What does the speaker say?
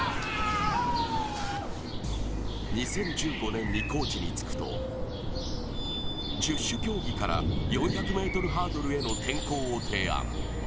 ２０１５年のコーチにつくと十種競技から４００ｍハードルへの転向を提案。